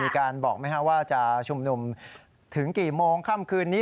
มีการบอกไหมครับว่าจะชุมนุมถึงกี่โมงค่ำคืนนี้